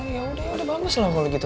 ya udah ya udah bagus lah kalau gitu